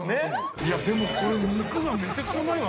いや、でもこれ肉がめちゃくちゃうまいわ。